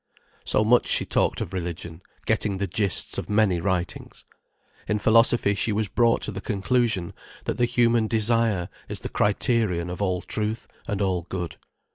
So much she talked of religion, getting the gist of many writings. In philosophy she was brought to the conclusion that the human desire is the criterion of all truth and all good.